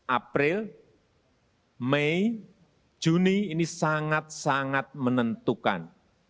april mei juni ini sangat sangat menentukan